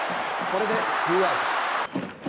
これでツーアウト。